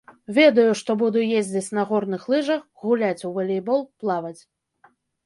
Ведаю, што буду ездзіць на горных лыжах, гуляць у валейбол, плаваць.